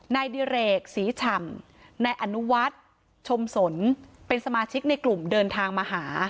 นายดิเรกศรีฉ่ำนายอนุวัฒน์ชมสนเป็นสมาชิกในกลุ่มเดินทางมาหา